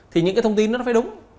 thì những thông tin đó phải đúng